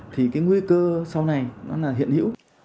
thì cái nguy cơ sau này nó là hiện hữu